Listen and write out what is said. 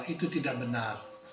itu tidak benar